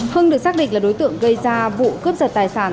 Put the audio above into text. hưng được xác định là đối tượng gây ra vụ cướp giật tài sản